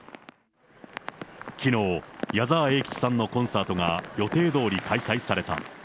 きのう、矢沢永吉さんのコンサートが予定どおり開催された。